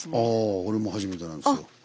あぁ俺も初めてなんですよ。